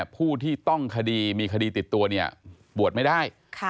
ผู้ที่ต้องคดีมีคดีติดตัวเนี่ยบวชไม่ได้